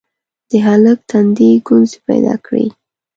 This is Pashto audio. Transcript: د هلک تندي ګونځې پيدا کړې: